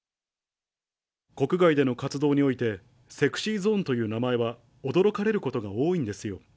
国外での活動において、ＳｅｘｙＺｏｎｅという名前は驚かれることが多いんですよ。